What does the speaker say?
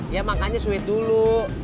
ya makanya sweet dulu